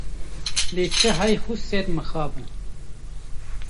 Lê çi heyf û sed mixabin!